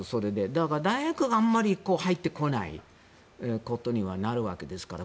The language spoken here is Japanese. だから大学があまり入ってこないことになるわけですから。